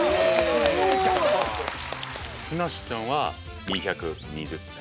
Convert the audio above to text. ふなっしーちゃんは２２０点。